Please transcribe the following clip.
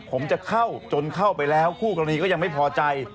ผมจะเข้าจนเข้าไปแล้วคู่กรณีก็ยังไม่พอใจ